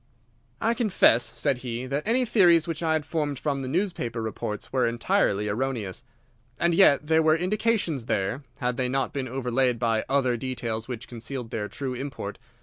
"I confess," said he, "that any theories which I had formed from the newspaper reports were entirely erroneous. And yet there were indications there, had they not been overlaid by other details which concealed their true import.